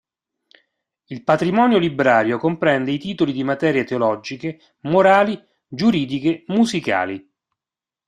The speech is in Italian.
Il patrimonio librario comprende i titoli di materie teologiche, morali, giuridiche, musicali.